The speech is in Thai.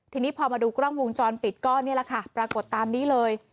ทีนี้พอมาดูกล้องวงจรปิดก็นี่แหละค่ะปรากฏตามนี้เลย